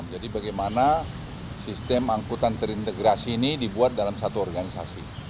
jadi bagaimana sistem angkutan terintegrasi ini dibuat dalam satu organisasi